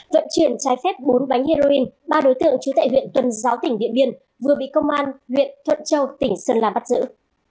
vận chuyển trái phép bốn bánh heroin ba đối tượng trú tại huyện tuần giáo tỉnh điện biên vừa bị công an huyện thuận châu tỉnh sơn la bắt giữ